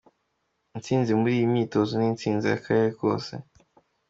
Intsinzi muri iyi myitozo ni intsinzi y’Akarere kose.